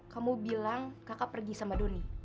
kamu bilang kakak pergi sama doni